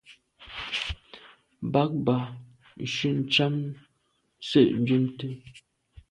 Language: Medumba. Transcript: Bag ba shun tshàm se’ njwimte mà ngab.